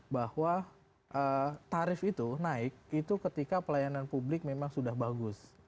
bahwa tarif itu naik itu ketika pelayanan publik memang sudah bagus